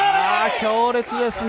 強烈ですね。